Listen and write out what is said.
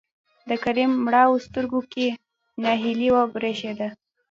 د کريم مړاوو سترګو کې نهيلي وبرېښېده.